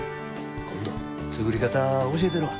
今度作り方教えたるわ。